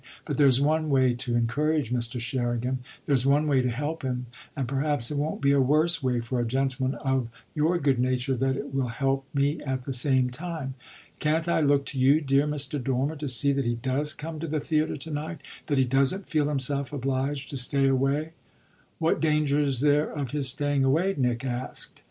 But there's one way to encourage Mr. Sherringham there's one way to help him; and perhaps it won't be a worse way for a gentleman of your good nature that it will help me at the same time. Can't I look to you, dear Mr. Dormer, to see that he does come to the theatre to night that he doesn't feel himself obliged to stay away?" "What danger is there of his staying away?" Nick asked.